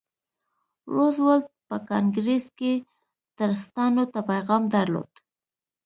روزولټ په کانګریس کې ټرستانو ته پیغام درلود.